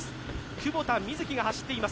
久保田みずきが走っています。